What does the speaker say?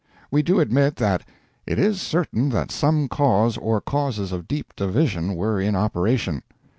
We do admit that "it is certain that some cause or causes of deep division were in operation."